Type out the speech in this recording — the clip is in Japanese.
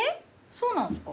そうなんすか？